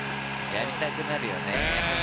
やりたくなるよね。